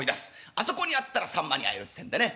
あそこにあったらさんまに会えるってんでね。